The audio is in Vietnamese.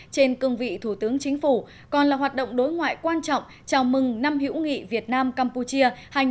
trên cương vị thủ tướng chính phủ còn là hoạt động đối ngoại quan trọng chào mừng năm hữu nghị việt nam campuchia hai nghìn một mươi chín